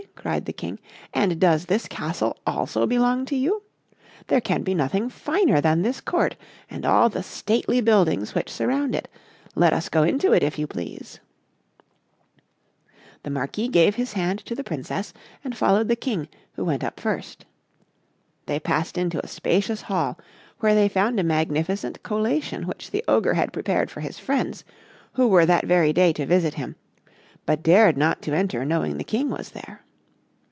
cried the King, "and does this castle also belong to you? There can be nothing finer than this court, and all the stately buildings which surround it; let us go into it, if you please." [Illustration: "THE MARQUIS GAVE HIS HAND TO THE PRINCESS, AND FOLLOWED THE KING, WHO WENT UP FIRST"] The Marquis gave his hand to the Princess, and followed the King, who went up first. They passed into a spacious hall, where they found a magnificent collation which the Ogre had prepared for his friends, who were that very day to visit him, but dared not to enter knowing the King was there.